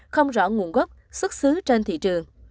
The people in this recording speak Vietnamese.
không rõ nguồn gốc xuất xứ trên thị trường